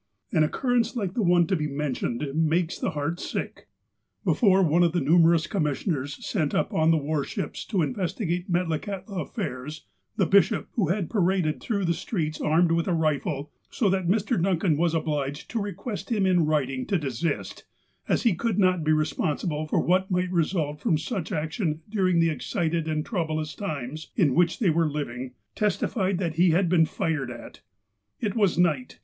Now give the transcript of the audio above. An occurrence like the one to be mentioned makes the heart sick : Before one of the numerous commissioners, sent up on the war ships to investigate Metlakahtla affairs, the bishop, who had paraded through the streets armed with a rifle, so that Mr. Duncan was obliged to request him in writing to desist, as he could not be responsible for what might result from such action during the excited and troublous times in which they were living, testified that he had been fired at. It was night.